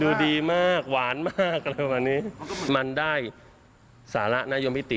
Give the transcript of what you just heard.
ดูดีมากหวานมากอะไรแบบนี้มันได้สาระนโยมิติ